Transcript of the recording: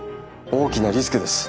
大きなリスクです。